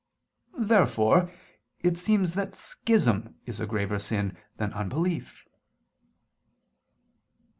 Therefore it seems that schism is a graver sin than unbelief.